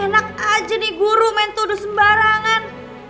enak aja nih guru main tuduh sembarangan